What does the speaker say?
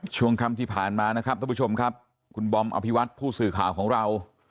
ช่วงค่ำที่ผ่านมานะครับท่านผู้ชมครับคุณบอมอภิวัตผู้สื่อข่าวของเรา